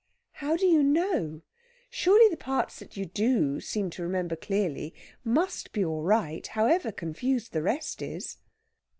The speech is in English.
"How do you know? Surely the parts that you do seem to remember clearly must be all right, however confused the rest is."